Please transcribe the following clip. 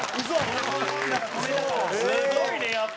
すごいね、やっぱ。